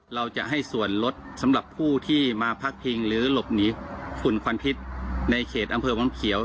เราจะให้ส่วนลดสำหรับผู้ที่มาพักพิงหรือหลบหนีฝุ่นควันพิษในเขตอำเภอวังเขียว